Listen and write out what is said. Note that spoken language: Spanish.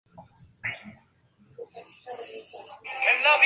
Así, por tercer año consecutivo, Andretti quedó octavo en la tabla final.